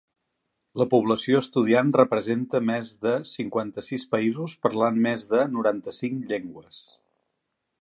La població estudiant representa més de cinquanta-sis països parlant més de noranta-cinc llengües.